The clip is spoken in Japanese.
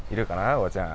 おばちゃん！